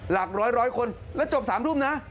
หลักร้อยร้อยคนแล้วจบสามทุ่มนะ